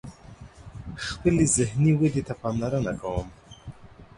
خپلی ذهنی ودي ته پاملرنه کوم